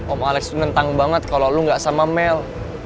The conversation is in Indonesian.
om alex nentang banget kalau lu gak sama mel